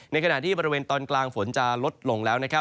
ในขณะที่บริเวณตอนกลางฝนจะลดลงแล้วนะครับ